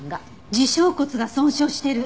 耳小骨が損傷してる。